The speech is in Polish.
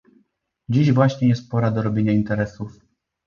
"Dziś właśnie jest pora do robienia interesów."